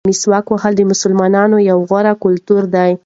مسواک وهل د مسلمانانو یو غوره کلتور دی.